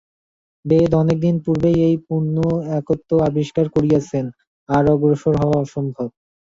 বেদ অনেক দিন পূর্বেই এই পূর্ণ একত্ব আবিষ্কার করিয়াছেন, আর অগ্রসর হওয়া অসম্ভব।